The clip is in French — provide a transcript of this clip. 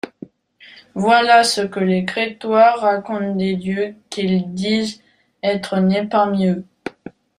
Voilà ce que les Crétois racontent des dieux qu'ils disent être nés parmi eux.